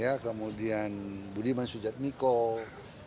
ya kemudian budiman sujadmiko karena kejahatan itu dianggap ada kejahatan